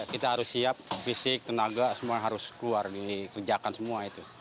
kita harus siap fisik tenaga semua harus keluar dikerjakan semua itu